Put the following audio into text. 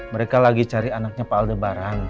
mereka lagi cari anaknya pak aldebaran